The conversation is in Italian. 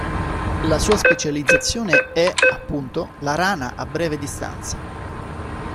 La sua specializzazione è, appunto, la rana a breve distanza.